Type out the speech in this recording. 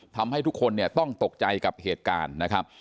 ทำให้ทุกคนเนี่ยต้องตกใจกับเหตุการณ์นะครับ